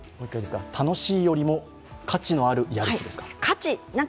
楽しいよりも価値のあるやる気ですか。